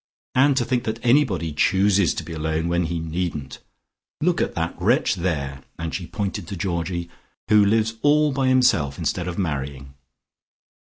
And to think that anybody chooses to be alone when he needn't! Look at that wretch there," and she pointed to Georgie, "who lives all by himself instead of marrying.